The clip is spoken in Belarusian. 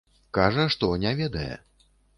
Кажа, што не ведае.